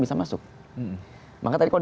bisa masuk maka tadi kalau